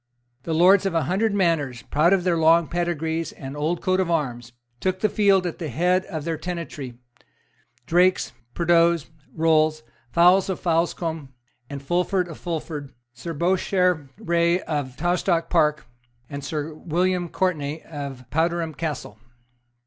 The lords of a hundred manors, proud of their long pedigrees and old coats of arms, took the field at the head of their tenantry, Drakes, Prideauxes and Rolles, Fowell of Fowelscombe and Fulford of Fulford, Sir Bourchier Wray of Tawstock Park and Sir William Courtenay of Powderham Castle.